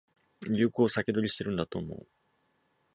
流行を先取りしてるんだと思う